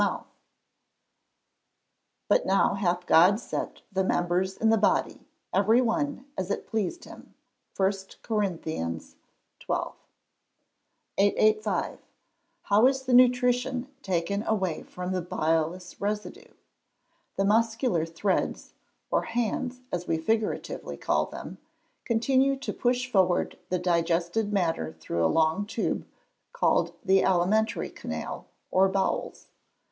[Verse: "But now hath God set the members in the body, every one as it pleased him." 1 CORINTHIANS XII.] 885. How is the nutrition taken away from the bilious residue? The muscular threads (or hands, as we figuratively call them) continue to push forward the digested matter through a long tube, called the alimentary canal, or bowels.